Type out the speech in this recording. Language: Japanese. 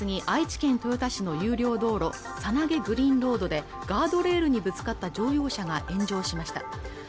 愛知県豊田市の有料道路猿投グリーンロードでガードレールにぶつかった乗用車が炎上しました